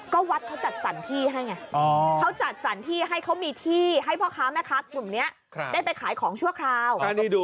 ก็วัดเขาจัดสรรที่ให้ไงเขาจัดสรรที่ให้เขามีที่ให้พ่อค้าแม่ค้ากลุ่มนี้ได้ไปขายของชั่วคราว